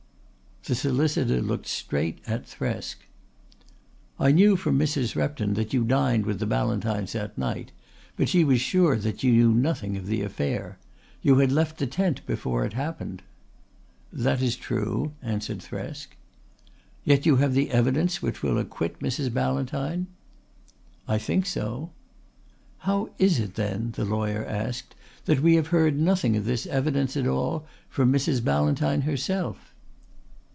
The solicitor looked straight at Thresk. "I knew from Mrs. Repton that you dined with the Ballantynes that night, but she was sure that you knew nothing of the affair. You had left the tent before it happened." "That is true," answered Thresk. "Yet you have evidence which will acquit Mrs. Ballantyne?" "I think so." "How is it, then," the lawyer asked, "that we have heard nothing of this evidence at all from Mrs. Ballantyne herself?"